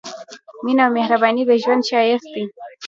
مينه او مهرباني د ژوند ښايست دی